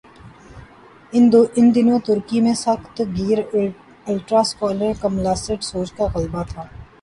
ان دنوں ترکی میں سخت گیر الٹرا سیکولر کمالسٹ سوچ کا غلبہ تھا۔